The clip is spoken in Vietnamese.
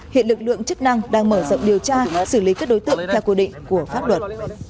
hiện lực lượng chức năng đang mở rộng điều tra xử lý các đối tượng theo quy định của pháp luật